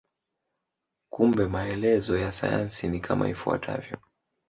Kumbe maelezo ya sayansi ni kama ifuatavyo.